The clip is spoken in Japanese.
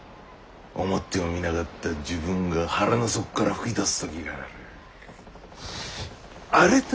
思ってもみなかった自分が腹の底からふき出す時がある。